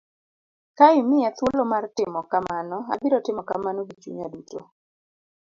Ka imiya thuolo mar timo kamano, abiro timo kamano gi chunya duto.